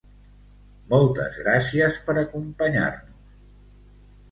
Moltes gràcies per acompanyar-nos!